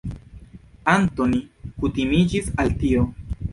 Antoni kutimiĝis al tio.